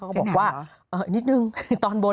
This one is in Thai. เขาก็บอกว่าเออนิดนึงตอนบน